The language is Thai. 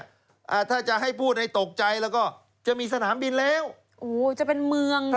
อ่าถ้าจะให้พูดให้ตกใจแล้วก็จะมีสนามบินแล้วโอ้โหจะเป็นเมือง